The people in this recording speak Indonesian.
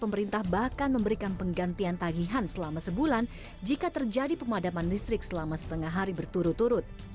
pemerintah bahkan memberikan penggantian tagihan selama sebulan jika terjadi pemadaman listrik selama setengah hari berturut turut